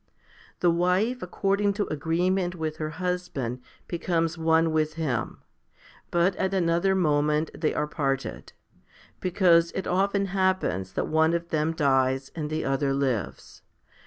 The wife according to agreement with her husband becomes one with him, but at another moment they are parted ; because it often happens that one of them dies and the other lives.